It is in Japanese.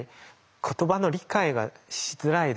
言葉の理解がしづらいです。